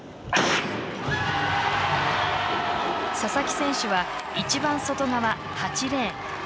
佐々木選手は一番外側８レーン。